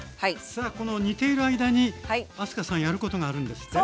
さあこの煮ている間に明日香さんやることがあるんですね。